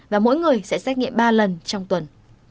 và mỗi người sẽ xét nghiệm ba lần trong tuần